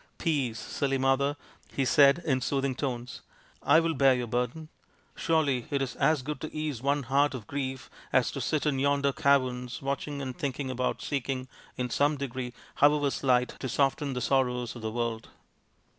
" Peace, silly mother," he said in soothing tones, " I will bear your burden. Surely it is as good to ease one heart of grief as to sit in yonder caverns watching and thinking without seeking in some degree, however slight, to soften the sorrows of the world."